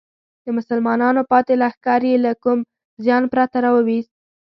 د مسلمانانو پاتې لښکر یې له کوم زیان پرته راوویست.